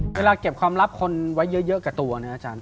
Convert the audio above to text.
เวลาเก็บความลับคนไว้เยอะกับตัวนะอาจารย์